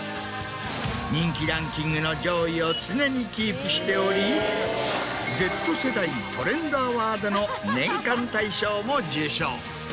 人気ランキングの上位を常にキープしておりＺ世代トレンドアワードの年間大賞も受賞。